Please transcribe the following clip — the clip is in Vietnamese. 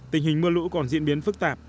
tình hình mưa lũ còn diễn biến phức tạp